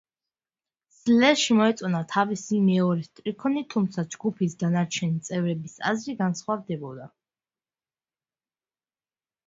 სლეშს მოეწონა თავისი მეორე სტრიქონი, თუმცა ჯგუფის დანარჩენი წევრების აზრი განსხვავდებოდა.